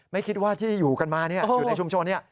ไม่คิดว่าที่อยู่กันมาอยู่ในชุมชน